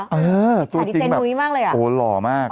ฟิชย์จีนหมุยมากเลยโหหล่อมาก